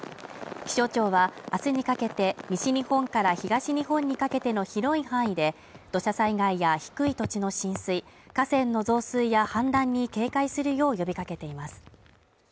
気象庁は、明日にかけて、西日本から東日本にかけての広い範囲で土砂災害や低い土地の浸水、河川の増水や氾濫に警戒するよう呼びかけています。